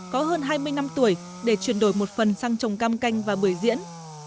có hơn hai mươi năm tuổi để chuyển đổi một phần sang trồng cam canh và bưởi diễn